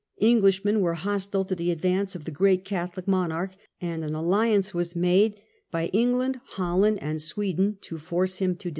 Englishmen were hostile to the advance of the great Catholic monarch, and an alliance was made by England, Holland, and Sweden to force him to desist.